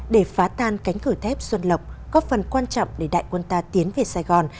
để phá tan cánh cửa thép xuân lộc góp phần quan trọng để đại quân ta tiến về sài gòn